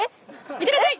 行ってらっしゃい！